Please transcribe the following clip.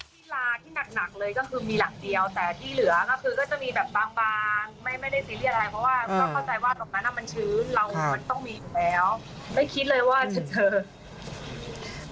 ที่ลาที่หนักหนักเลยก็คือมีหลังเดียวแต่ที่เหลือก็คือก็จะมีแบบบางบางไม่ไม่ได้ซีเรียสอะไรเพราะว่าก็เข้าใจว่าตรงนั้นมันชื้นเรามันต้องมีอยู่แล้วไม่คิดเลยว่าจะเจอ